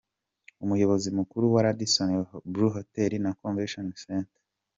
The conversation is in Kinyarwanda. Umuyobozi mukuru wa Radisson Blu Hotel na Convention Center Mr.